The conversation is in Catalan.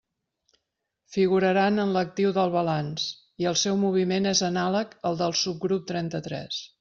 Figuraran en l'actiu del balanç i el seu moviment és anàleg al del subgrup trenta-tres.